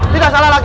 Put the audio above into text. tidak salah lagi